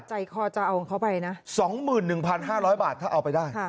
ใจคอจะเอาของเขาไปนะสองหมื่นหนึ่งพันห้าร้อยบาทถ้าเอาไปได้